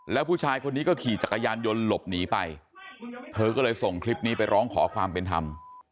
แล้วผู้ชายคนนี้ก็ขี่จักรยานยนต์หลบหนีไปเธอก็เลยส่งคลิปนี้ไปร้องขอความเป็นธรรม